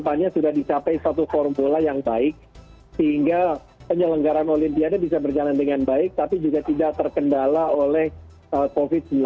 kedepannya sudah dicapai satu formula yang baik sehingga penyelenggaran olimpiade bisa berjalan dengan baik tapi juga tidak terkendala oleh covid sembilan belas